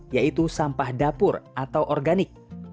yaitu sampah dapur atau organik